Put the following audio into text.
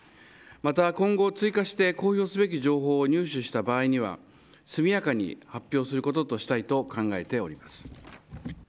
また、今後追加して公表すべき情報を入手した場合には速やかに発表することとしたいと考えております。